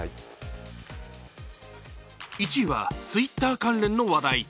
１位は、Ｔｗｉｔｔｅｒ関連の話題。